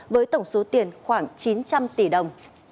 với tổng số tiền khoảng chín trăm linh tỷ đồng